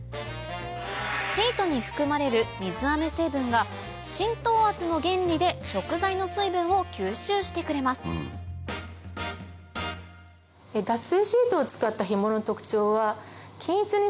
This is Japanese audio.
シートに含まれる水あめ成分が浸透圧の原理で食材の水分を吸収してくれますのではないかと思います。